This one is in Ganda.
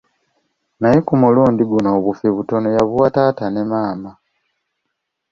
Naye ku mulundi guno obufi obutono ya buwa taata ne maama.